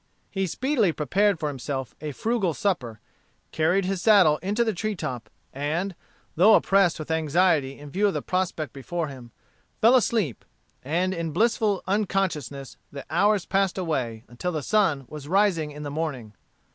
He speedily prepared for himself a frugal supper, carried his saddle into the treetop, and, though oppressed with anxiety in view of the prospect before him, fell asleep, and in blissful unconsciousness the hours passed away until the sun was rising in the morning.